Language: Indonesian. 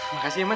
makasih ya mas